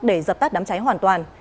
để dập tắt đám cháy hoàn toàn